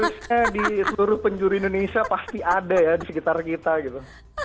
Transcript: khususnya di seluruh penjuru indonesia pasti ada ya di sekitar kita gitu